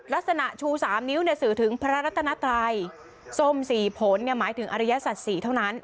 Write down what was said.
ลักษณะชู๓นิ้วสื่อถึงพระรัตนัตรัยส้ม๔ผลหมายถึงอริยสัตว์๔เท่านั้น